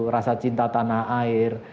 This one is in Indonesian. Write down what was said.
rasa cinta tanah air